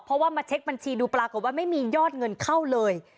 เพราะว่ามาเช็คบัญชีดูปรากฏว่าไม่มียอดเงินเข้าเลย